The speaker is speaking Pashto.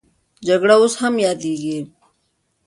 جګړه اوس هم یادېږي.